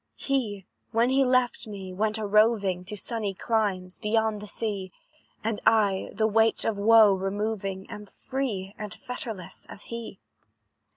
"He, when he left me, went a roving To sunny climes, beyond the sea; And I, the weight of woe removing, Am free and fetterless as he.